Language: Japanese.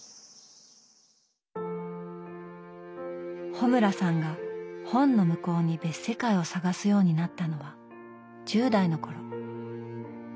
穂村さんが本の向こうに別世界を探すようになったのは１０代の頃。